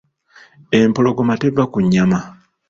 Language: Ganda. Empologoma teva ku nnyama.